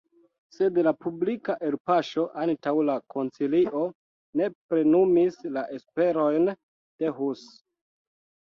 Sed la publika elpaŝo antaŭ la koncilio ne plenumis la esperojn de Hus.